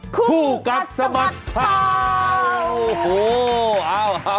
คู่กัดสบัดเพรา